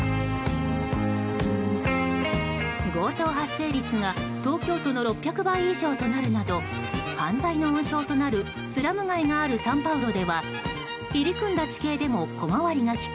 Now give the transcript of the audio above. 強盗発生率が東京都の６００倍以上となるなど犯罪の温床となるスラム街があるサンパウロでは入り組んだ地形でも小回りが利く